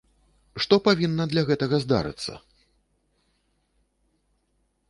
Што павінна для гэтага здарыцца?